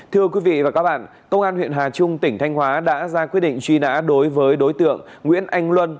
thưa quý vị và các bạn công an huyện hà trung tỉnh thanh hóa đã ra quyết định truy nã đối với đối tượng nguyễn anh luân